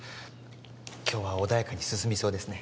今日は穏やかに進みそうですね